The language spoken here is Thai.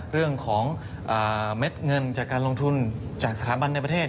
เรื่องของเม็ดเงินจากการลงทุนจากสถาบันในประเทศ